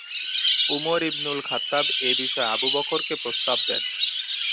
Umar Ibnul Khattab এ বিষয়ে Abu বকরকে প্রস্তাব দেন।